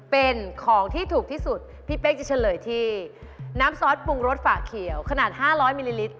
เป็นของที่ถูกที่สุดพี่เป๊กจะเฉลยที่น้ำซอสปรุงรสฝ่าเขียวขนาด๕๐๐มิลลิลิตร